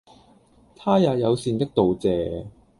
她也友善的道謝